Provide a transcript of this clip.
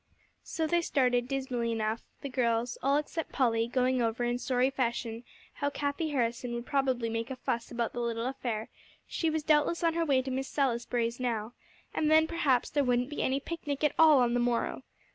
So they started dismally enough, the girls, all except Polly, going over in sorry fashion how Cathie Harrison would probably make a fuss about the little affair she was doubtless on her way to Miss Salisbury's now and then perhaps there wouldn't be any picnic at all on the morrow.